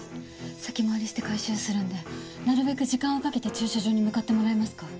先回りして回収するんでなるべく時間をかけて駐車場に向かってもらえますか？